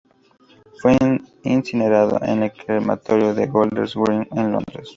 Fue incinerado en el Crematorio de Golders Green en Londres.